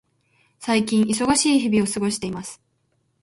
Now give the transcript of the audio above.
最近、忙しい日々を過ごしています。